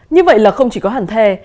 như vậy là không chỉ có hàn the